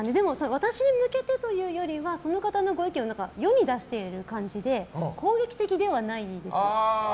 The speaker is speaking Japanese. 私に向けてというよりはその方のご意見を世に出している感じで攻撃的ではないです。